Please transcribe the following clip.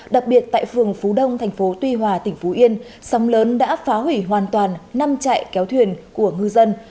đặc biệt tại phường phú đông thành phố tuy hòa tỉnh phú yên sóng lớn đã phá hủy hoàn toàn năm chạy kéo thuyền của ngư dân